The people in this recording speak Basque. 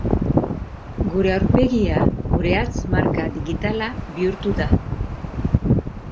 Gure aurpegia gure hatz-marka digitala bihurtu da.